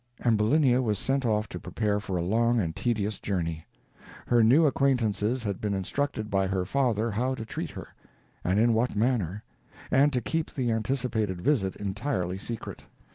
Ambulinia was sent off to prepare for a long and tedious journey. Her new acquaintances had been instructed by her father how to treat her, and in what manner, and to keep the anticipated visit entirely secret.